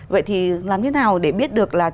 vậy thì làm thế nào để biết được là